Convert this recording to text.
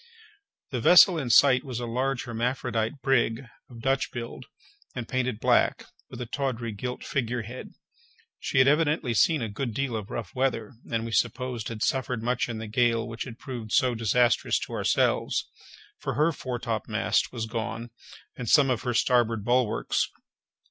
The vessel in sight was a large hermaphrodite brig, of a Dutch build, and painted black, with a tawdry gilt figure head. She had evidently seen a good deal of rough weather, and, we supposed, had suffered much in the gale which had proved so disastrous to ourselves; for her foretopmast was gone, and some of her starboard bulwarks.